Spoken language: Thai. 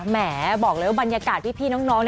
แหมบอกเลยว่าบรรยากาศพี่น้อง